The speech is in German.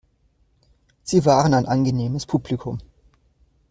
Sie waren ein angenehmes Publikum.